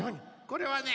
これはね